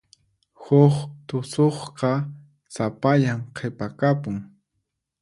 Huk tusuqqa sapallan qhipakapun.